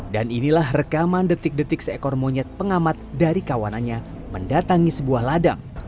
dan inilah rekaman detik detik seekor monyet pengamat dari kawanannya mendatangi sebuah ladang